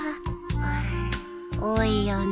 ああ多いよね。